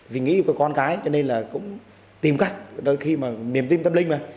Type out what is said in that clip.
vì nghĩ của con cái cho nên là cũng tìm cách đôi khi mà niềm tin tâm linh mà